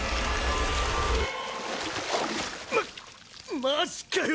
ママジかよ。